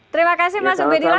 terima kasih mas ubediwala